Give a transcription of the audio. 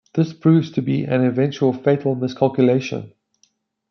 This proves to be an eventually fatal miscalculation.